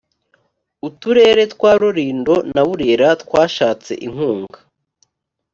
uturere twa rulindo na burera twashatse inkunga